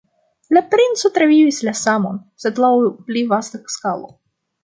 La princo travivis la samon, sed laŭ pli vasta skalo.